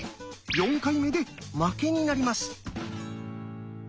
４回目で負けになります。